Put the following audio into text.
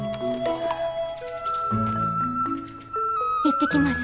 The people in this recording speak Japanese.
行ってきます。